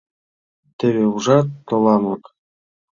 — Теве ужат, толамак.